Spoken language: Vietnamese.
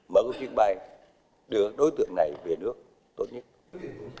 mở cái chuyến bay đưa đối tượng này về nước tốt nhất